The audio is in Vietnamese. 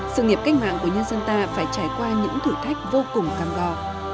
sự nghiệp cách mạng của nhân dân ta phải trải qua những thử thách vô cùng cam go